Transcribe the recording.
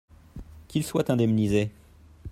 Qu’il soit indemnisé.